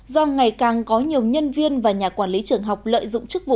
do ngày càng có nhiều nhân viên và nhà quản lý trường học lợi dụng chức vụ